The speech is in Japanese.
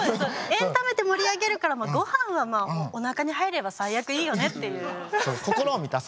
エンタメで盛り上げるからごはんはおなかに入れば最悪いいよねっていう。